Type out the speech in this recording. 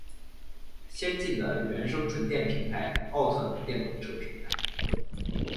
先进的原生纯电平台奥特能电动车平台